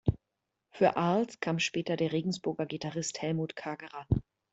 Für Arlt kam später der Regensburger Gitarrist Helmut Kagerer.